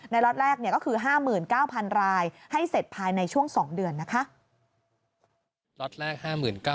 ล็อตแรกก็คือ๕๙๐๐รายให้เสร็จภายในช่วง๒เดือนนะคะ